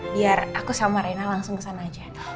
biar aku sama reina langsung kesana aja